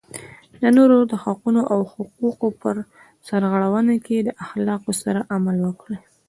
د نورو د حقونو او حقوقو په سرغړونه کې د اخلاقو سره عمل وکړئ.